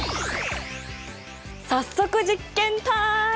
早速実験タイム！